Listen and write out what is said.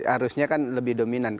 arusnya kan lebih dominan